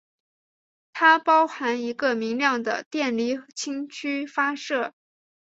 它包含一个明亮的电离氢区发射。